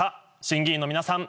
審議員の皆さん